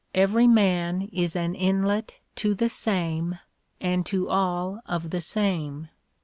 Every man is an inlet to the same and to all of the same.